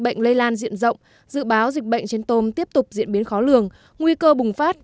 bệnh lây lan diện rộng dự báo dịch bệnh trên tôm tiếp tục diễn biến khó lường nguy cơ bùng phát